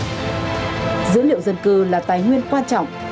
dữ liệu dân cư là tài nguyên quan trọng